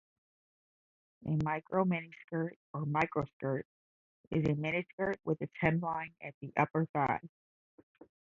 A "micro-miniskirt" or microskirt is a miniskirt with its hemline at the upper thigh.